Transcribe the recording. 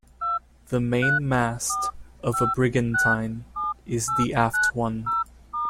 The main mast of a brigantine is the aft one.